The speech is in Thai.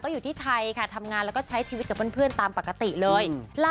อยู่ที่ไทยค่ะทำงานแล้วก็ใช้ชีวิตกับเพื่อนตามปกติเลย